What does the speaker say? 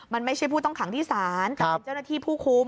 มันไม่ใช่ผู้ต้องขังที่ศาลแต่เป็นเจ้าหน้าที่ผู้คุ้ม